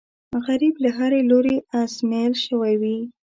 غریب له هرې لورې ازمېیل شوی وي